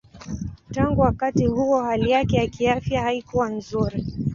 Tangu wakati huo hali yake ya kiafya haikuwa nzuri.